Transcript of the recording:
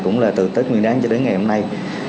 cũng là từ tết nguyên đáng cho đến ngày hôm nay